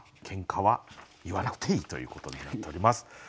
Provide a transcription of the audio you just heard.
「ケンカ」は言わなくていいということになっております。